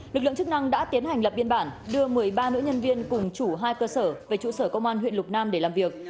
lực lượng chức năng đã tiến hành lập biên bản đưa một mươi ba nữ nhân viên cùng chủ hai cơ sở về trụ sở công an huyện lục nam để làm việc